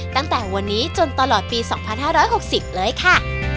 ตั้งแต่วันนี้จนตลอดปี๒๕๖๐เลยค่ะ